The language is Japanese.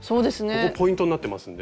ここポイントになってますんで。